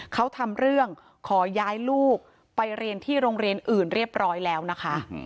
เขาทำเรื่องขอย้ายลูกไปเรียนที่โรงเรียนอื่นเรียบร้อยแล้วนะคะ